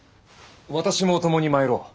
私も共に参ろう。